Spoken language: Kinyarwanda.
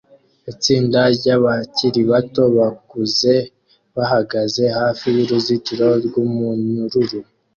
Itsinda ryabakiri bato bakuze bahagaze hafi yuruzitiro rwumunyururu